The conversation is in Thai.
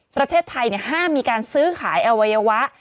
ประเทศไทยห้ามมีการซื้อขายอวัยวะ